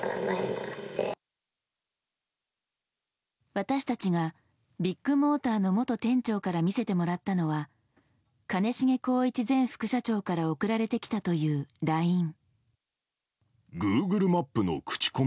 私たちがビッグモーターの元店長から見せてもらったのは兼重宏一前副社長から送られてきたというＬＩＮＥ。